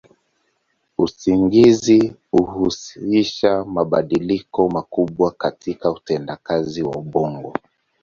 Usingizi huhusisha mabadiliko makubwa katika utendakazi wa ubongo.